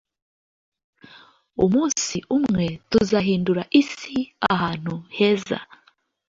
Umunsi umwe tuzahindura isi ahantu heza.